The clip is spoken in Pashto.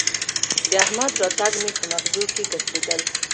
د احمد راتګ مې به مغزو کې ګرځېدل